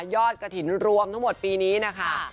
กระถิ่นรวมทั้งหมดปีนี้นะคะ